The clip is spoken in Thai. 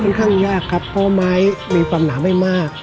ข้างยากครับเพราะไม้มีความหนาไม่มาก